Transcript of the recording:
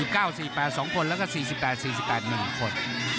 ๔๙๔๘๒คนแล้วก็๔๘๔๘๑คน